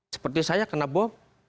seperti saya kenapa